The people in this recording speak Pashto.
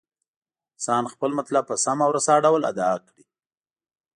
انسان خپل مطلب په سم او رسا ډول ادا کړي.